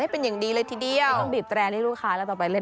ผนริเก่ร่ะฮ่า